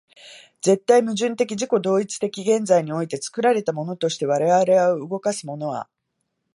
絶対矛盾的自己同一的現在において、作られたものとして我々を動かすものは、